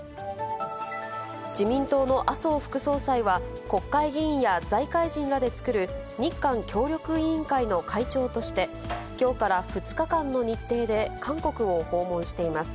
自民党の麻生副総裁は、国会議員や財界人らで作る日韓協力委員会の会長として、きょうから２日間の日程で韓国を訪問しています。